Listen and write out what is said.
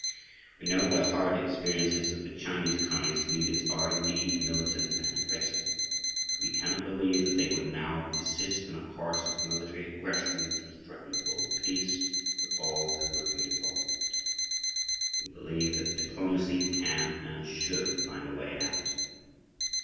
We know by hard experiences that the Chinese Communist leaders are indeed militant and aggressive. But we cannot believe that they would now persist in a course of military aggression which would threaten world peace, with all that would be involved. We believe that diplomacy can and should find a way out.